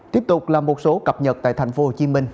tiếp tục là một số cập nhật tại tp hcm